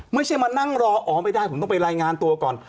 ไม่ใช่มานั่งรออ๋อไม่ได้ผมต้องไปรายงานตัวก่อน